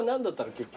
結局。